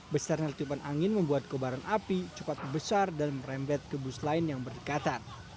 besarnya letupan angin membuat kebaran api cepat besar dan merembet ke bus lain yang berdekatan